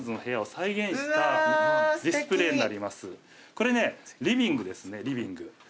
これねリビングですねリビング。